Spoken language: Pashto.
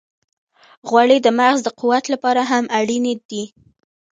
غوړې د مغز د قوت لپاره هم اړینې دي.